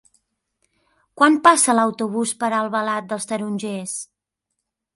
Quan passa l'autobús per Albalat dels Tarongers?